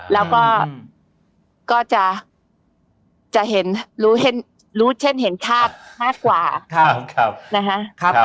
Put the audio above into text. แล้วก็จะรู้เช่นเห็นฆาตมากกว่านะฮะ